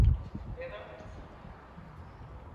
Devam et sen.